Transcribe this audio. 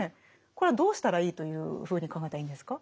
これはどうしたらいいというふうに考えたらいいんですか？